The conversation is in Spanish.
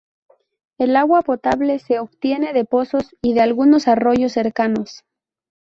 El agua potable se obtiene de pozos y de algunos arroyos cercanos.